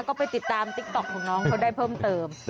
ก็ไปติดตามติ๊กต๊อกของน้องเขาได้เพิ่มเติม